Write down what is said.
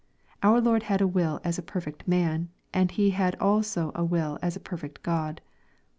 Our Lord had a will as perfect man, and He had also a will as perfect God.